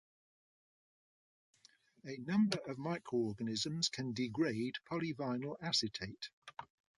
A number of microorganisms can degrade polyvinyl acetate.